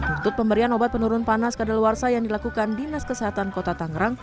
untuk pemberian obat penurun panas ke dalawarsa yang dilakukan dinas kesehatan kota tanggerang